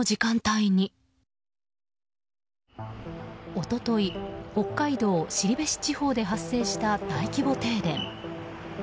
一昨日、北海道後志地方で発生した大規模停電。